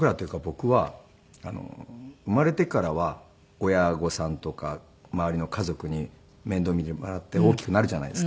僕は生まれてからは親御さんとか周りの家族に面倒見てもらって大きくなるじゃないですか。